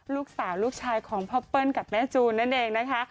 ลูกสาวลูกชายของพ่อเปิ้ลกับแม่จูนนั่นเองนะคะ